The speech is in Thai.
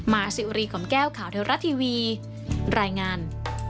สิวรีกล่อมแก้วข่าวเทวรัฐทีวีรายงาน